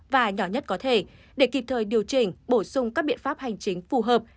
và nhỏ nhất có thể để kịp thời điều chỉnh bổ sung các biện pháp hành chính phù hợp